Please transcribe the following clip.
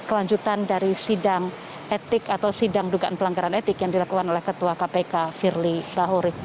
kelanjutan dari sidang etik atau sidang dugaan pelanggaran etik yang dilakukan oleh ketua kpk firly bahuri